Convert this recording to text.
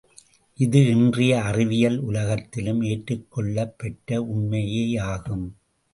இது இன்றைய அறிவியல் உலகத்திலும் ஏற்றுக்கொள்ளப் பெற்ற உண்மையேயாகும்.